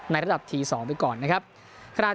ในระดับทีสองไปก่อนนะครับ